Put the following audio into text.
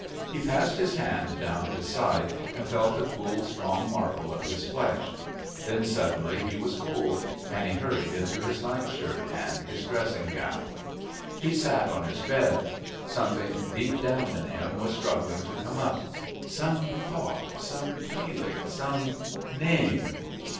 He passed his hand down his side and felt the cool strong marble of his flesh. Then suddenly he was cold and he hurried into his night shirt and his dressing gown. He sat on his bed. Something deep down in him was struggling to come up. Some thought...some feeling...some name.